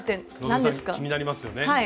希さん気になりますよね。